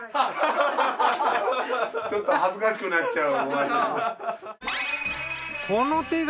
ちょっと恥ずかしくなっちゃう。